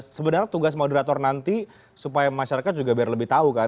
sebenarnya tugas moderator nanti supaya masyarakat juga biar lebih tahu kan